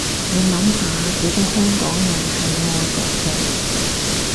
你諗下幾多香港人係愛國嘅